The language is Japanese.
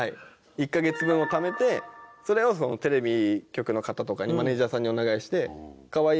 １カ月分をためてそれをテレビ局の方とかにマネジャーさんにお願いして河合